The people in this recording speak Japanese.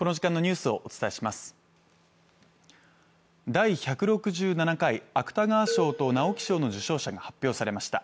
第１６７回芥川賞と直木賞の受賞者が発表されました。